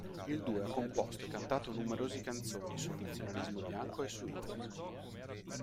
Il duo ha composto e cantato numerose canzoni sul nazionalismo bianco e su Hitler.